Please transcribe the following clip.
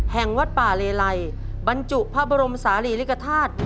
แห่งวัดป่าเลไลบรรจุพระบรมศาลีริกฐาตุ